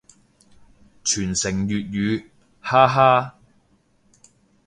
傳承粵語，哈哈